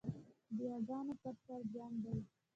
د یاګانو پر سر جنګ دی